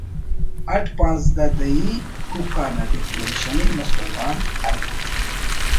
اٹ پانزہ دیئی کوکار نا ڈیکلیریشن ءِ مستونگ آن ہلکٹ